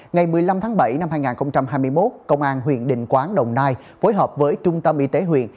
ngày một mươi năm tháng bảy năm hai nghìn hai mươi một công an huyện định quán đồng nai phối hợp với trung tâm y tế huyện